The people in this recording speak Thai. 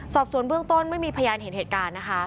สอบสวนเบื้องต้นไม่มีพยานเห็นเหตุการณ์นะคะ